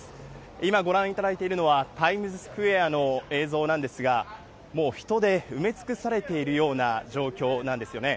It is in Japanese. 今、ご覧いただいているのは、タイムズスクエアの映像なんですが、もう人で埋め尽くされているような状況なんですよね。